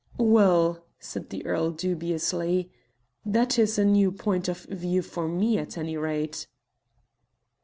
"Well," said the earl dubiously, "that is a new point of view for me at any rate."